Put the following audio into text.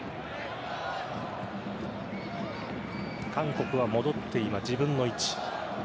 韓国は戻って今、自分の位置。